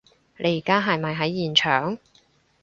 你而家係咪喺現場？